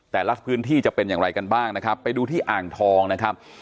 แต่ละพื้นที่จะเป็นอย่างไรกันบ้างนะครับไปดูที่อ่างทองนะครับ